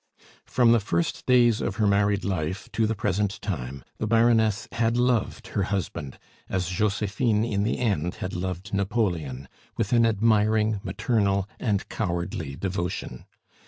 From the first days of her married life to the present time the Baroness had loved her husband, as Josephine in the end had loved Napoleon, with an admiring, maternal, and cowardly devotion.